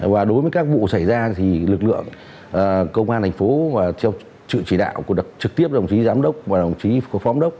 và đối với các vụ xảy ra thì lực lượng công an tp và trực tiếp đồng chí giám đốc và đồng chí phóng đốc